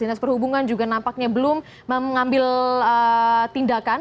dinas perhubungan juga nampaknya belum mengambil tindakan